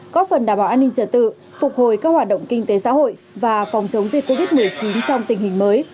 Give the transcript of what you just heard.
có phần đảm bảo an ninh trật tự phục hồi các hoạt động kinh tế xã hội và phòng chống dịch covid một mươi chín trong tình hình mới